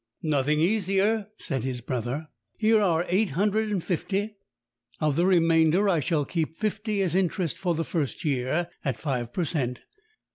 "Nothing easier," said his brother. "Here are eight hundred and fifty. Of the remainder I shall keep fifty as interest for the first year at five per cent.